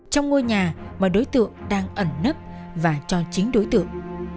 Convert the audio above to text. trong ngôi nhà mà đối tượng đang ẩn nấp và cho chính đối tượng